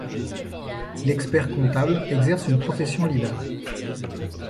L'expert-comptable exerce une profession libérale.